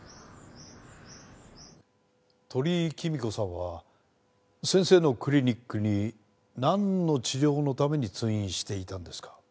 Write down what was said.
鳥居貴美子さんは先生のクリニックになんの治療のために通院していたんですか？